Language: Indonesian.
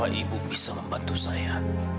bapak ibu bisa membantu saya